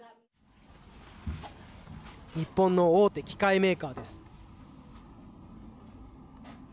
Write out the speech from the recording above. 日本の大手機械メーカーです。